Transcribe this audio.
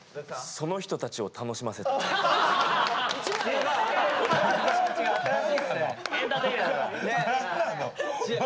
その人たちを楽しませたいんすよね？